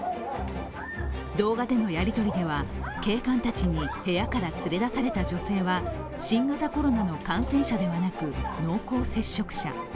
動画でのやりとりでは、警官たちに部屋から連れ出された女性は新型コロナの感染者ではなく濃厚接触者。